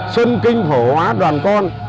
xuân kinh phổ hóa đoàn con